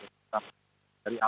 baik pak endro baik pak endro